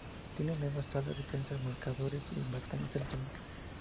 Tiene nuevas salas de prensa, marcadores y pantallas electrónicas.